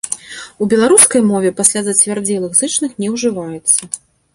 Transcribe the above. У беларускай мове пасля зацвярдзелых зычных не ўжываецца.